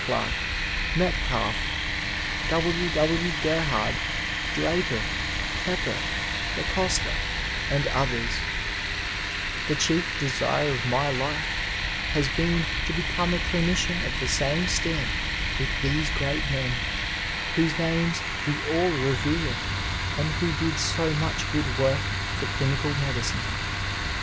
Ckurk, Metcalfe. W. W. Gerhard, Draper, Pepper, DaCosta and others, The chief desire of my life has been to become a clinician of the same stamp with these great men, whose names we all revere and who did so much good work for clinical medicine.